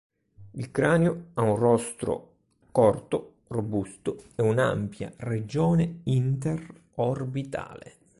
Il cranio ha un rostro corto, robusto e un'ampia regione inter-orbitale.